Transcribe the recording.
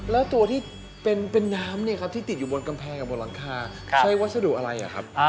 แล้วตัวที่เป็นน้ำเนี่ยครับที่ติดอยู่บนกำแพงกับบนหลังคาใช้วัสดุอะไรครับ